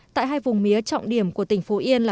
tại hai vùng mía trọng điểm của tỉnh phú yên là